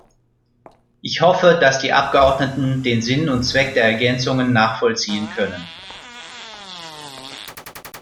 Ich hoffe, dass die Abgeordneten den Sinn und Zweck der Ergänzungen nachvollziehen können.